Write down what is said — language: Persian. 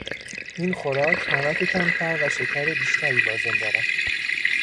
این خوراک نمک کمتر و شکر بیشتری لازم دارد.